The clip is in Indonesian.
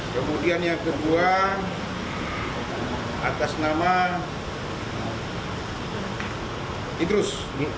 kemudian yang kedua atas nama idrus